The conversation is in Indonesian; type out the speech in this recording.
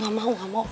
gak mau gak mau